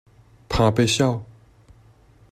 怕被笑？